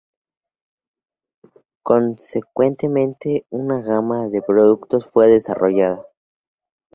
Consecuentemente, una gama de productos fue desarrollada.